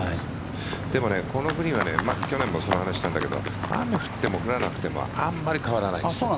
でもこのグリーンは去年もその話ししたんだけど雨が降っても降らなくてもあまり変わらない。